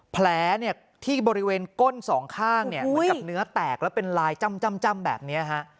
แผลที่บริเวณก้นสองข้างจะมีเนื้อแตกก็เป็นลายจำแบบนี้